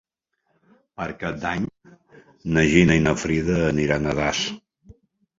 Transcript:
Per Cap d'Any na Gina i na Frida aniran a Das.